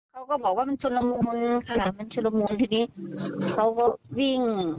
เขาก็บอกว่ามันชุนละมุนค่ะมันชุนละมุนที่นี้